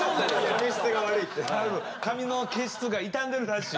髪の毛質が傷んでるらしい。